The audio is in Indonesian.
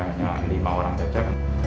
hanya lima orang saja